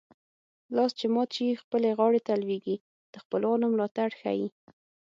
لاس چې مات شي خپلې غاړې ته لوېږي د خپلوانو ملاتړ ښيي